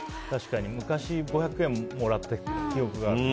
昔、５００円もらった記憶があるな。